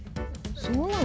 そうなの？